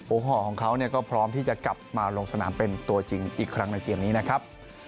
โอ้โหของเขาก็พร้อมที่จะกลับมาลงสนามเป็นตัวจริงอีกครั้งในเกมนี้นะครับ